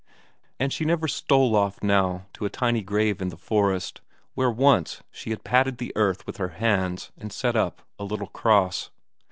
And she never stole off now to a tiny grave in the forest, where once she had patted the earth with her hands and set up a little cross.